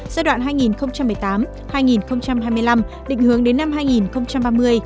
giai đoạn hai nghìn một mươi tám hai nghìn hai mươi năm định hướng đến năm hai nghìn ba mươi